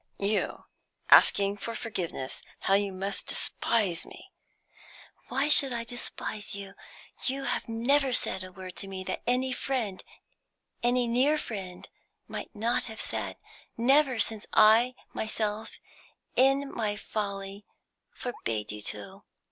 "You asking for forgiveness? How you must despise me." "Why should I despise you? You have never said a word to me that any friend, any near friend, might not have said, never since I myself, in my folly, forbade you to.